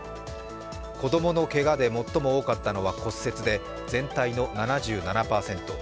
子供のけがで最も多かったのは骨折で、全体の７７％。